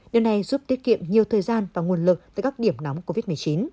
điều này giúp tiết kiệm nhiều thời gian và nguồn lực tại các điểm nóng covid một mươi chín